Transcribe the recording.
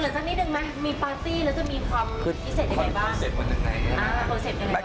เกลิ่นสักนิดหนึ่งไหมมีปาร์ตี้แล้วจะมีความพิเศษอย่างไรบ้าง